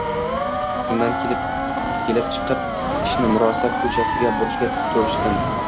Shundan kelib chiqib, ishni murosa ko‘chasiga burishga tirishdim: